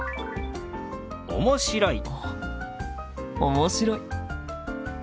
面白い。